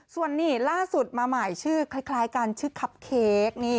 ส่วนนี่ล่าสุดมาใหม่ชื่อคล้ายกันชื่อคับเค้ก